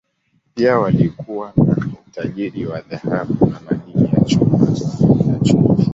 Pia walikuwa na utajiri wa dhahabu na madini ya chuma, na chumvi.